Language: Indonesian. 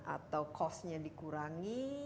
atau cost nya dikurangi